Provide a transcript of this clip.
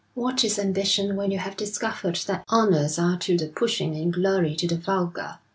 What is ambition when you have discovered that honours are to the pushing and glory to the vulgar.